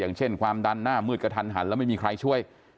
อย่างเช่นความดันหน้ามืดกระทันหันแล้วไม่มีใครช่วย